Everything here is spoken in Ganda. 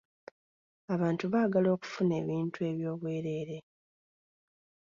Abantu baagala okufuna ebintu by'obwereere.